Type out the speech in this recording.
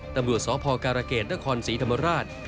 ตำรวจสพการเกษนครศรีธรรมราช